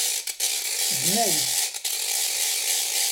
Bnan-tt.